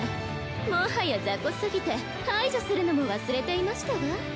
もはやザコすぎて排除するのも忘れていましたわ。